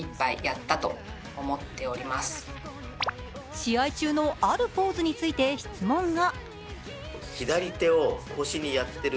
試合中のあるポーズについて質問が。